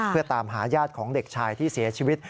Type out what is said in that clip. เพื่อตามหาญาติของเด็กชายที่เสียชีวิต